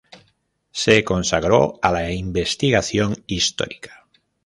Se consagró a la investigación histórica.